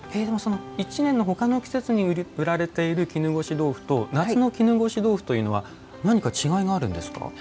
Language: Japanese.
でもその一年のほかの季節に売られている絹ごし豆腐と夏の絹ごし豆腐というのは何か違いがあるんですか？